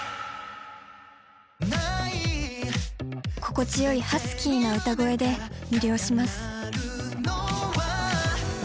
心地よいハスキーな歌声で魅了します。